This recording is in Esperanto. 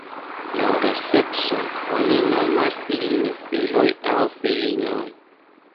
Laŭ la sekso oni nomas ilin filoj aŭ filinoj.